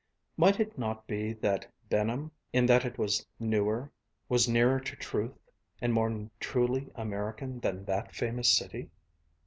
Might it not be that Benham, in that it was newer, was nearer to truth and more truly American than that famous city?